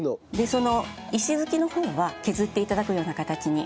その石突きの方は削って頂くような形に。